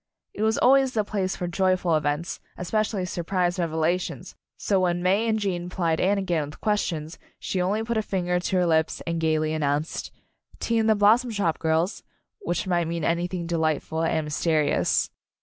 It was always the place for joyful events, especially surprise revela tions, so when May and Gene plied Anne again with questions, she only put a fin ger to her lips and gayly announced : "Tea in the Blossom Shop, girls," which might mean anything delightful and mysterious.